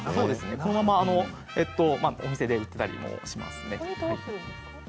このままお店で売ったりもしています。